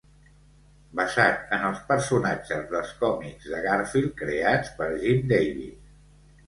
Basat en els personatges dels còmics de Garfield creats per Jim Davis.